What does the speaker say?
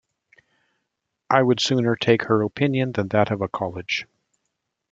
I would sooner take her opinion than that of a college.